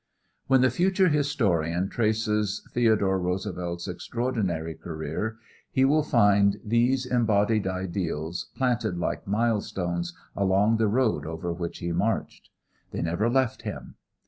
When the future historian traces Theodore Roosevelt's extraordinary career he will find these embodied ideals planted like milestones along the road over which he marched. They never left him.